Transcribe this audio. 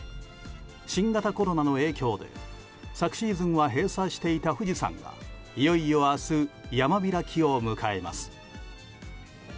新型コロナの影響で昨シーズンは閉鎖していた富士山がいよいよ明日山開きを迎えます。